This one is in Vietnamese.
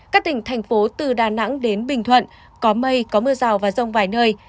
các tỉnh thành phố từ đà nẵng đến bình thuận có mây có mưa rào và rông vài nơi